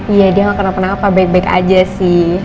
iya dia nggak kenapa baik baik aja sih